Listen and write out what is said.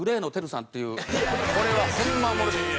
これはホンマおもろい。